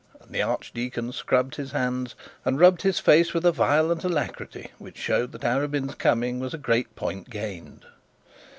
And the archdeacon scrubbed his hands and rubbed his face with a violent alacrity, which showed that Arabin's coming was a great point gained.